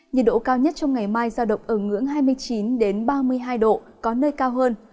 nhiệt độ cao nhất trong ngày mai giao động ở ngưỡng hai mươi chín ba mươi hai độ có nơi cao hơn